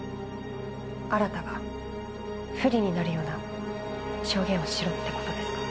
新が不利になるような証言をしろって事ですか？